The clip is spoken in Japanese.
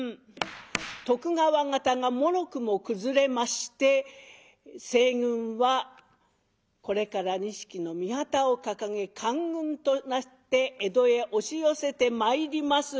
徳川方がもろくも崩れまして西軍はこれから錦の御旗を掲げ官軍となって江戸へ押し寄せてまいります。